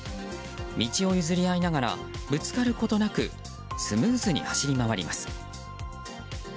道を譲り合いながらぶつかることなくスムーズに走り回ります。